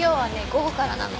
午後からなの。